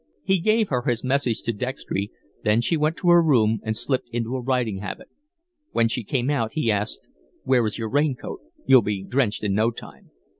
He gave her his message to Dextry, then she went to her room and slipped into a riding habit. When she came out he asked: "Where is your raincoat? You'll be drenched in no time."